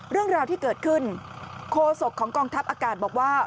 เรื่องราวที่เกิดขึ้นโคศกของกองทัพอากาศบอกว่า